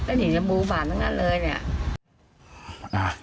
ก็หนีในบูบาลทั้งนั้นเลยเนี่ย